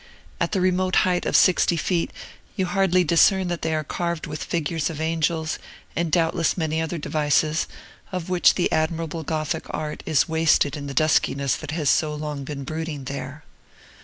At the remote height of sixty feet, you hardly discern that they are carved with figures of angels and doubtless many other devices, of which the admirable Gothic art is wasted in the duskiness that has so long been brooding there.